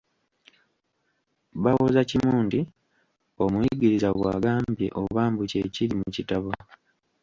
Bawoza kimu nti: Omuyigiriza bw'agambye oba mbu kye kiri mu kitabo.